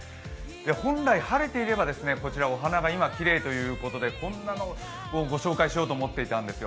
本来晴れていればこちらお花が今きれいということでこんなのをご紹介しようと思っていたんですよ。